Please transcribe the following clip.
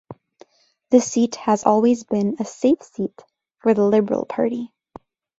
The seat has always been a safe seat for the Liberal Party.